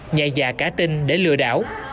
nhạy dạ cá tinh để lừa đảo